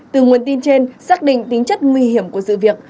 từ nguồn tin trên xác định tính chất nguy hiểm của sự việc